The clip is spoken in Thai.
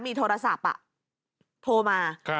มีโทรศัพท์อ่ะโทรมาค่ะ